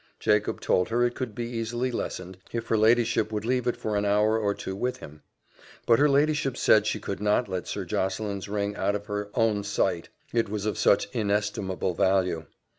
Jacob told her it could be easily lessened, if her ladyship would leave it for an hour or two with him. But her ladyship said she could not let Sir Josseline's ring out of her own sight, it was of such inestimable value.